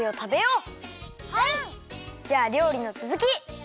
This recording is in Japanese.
じゃありょうりのつづき！